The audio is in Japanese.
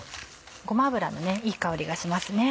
ごま油のいい香りがしますね。